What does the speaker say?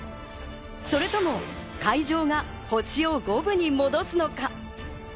それとも海城が星を五分に戻すのか。